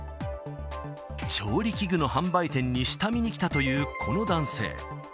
調理器具の販売店に下見に来たというこの男性。